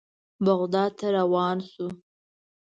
بغداد ته روان شوو.